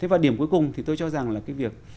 và điểm cuối cùng thì tôi cho rằng là cái việc